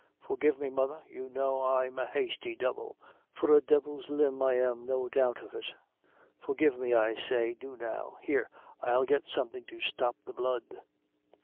"Forgive me, mother; you know I'm a hasty devil for a devil's limb I am, no doubt of it. Forgive me, I say do now here, I'll get something to stop the blood."